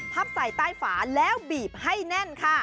ใส่ใต้ฝาแล้วบีบให้แน่นค่ะ